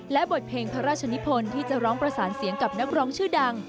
และบทเพลงพระราชนิพลที่จะร้องประสานเสียงกับนักร้องชื่อดัง